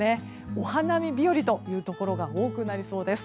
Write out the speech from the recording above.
お花見日和のところが多くなりそうです。